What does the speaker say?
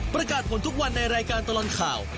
ประกาศผลทุกวันในรายการตลอดข่าว